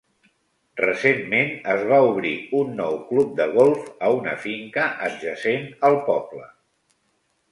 Recentment es va obrir un nou club de golf a una finca adjacent al poble.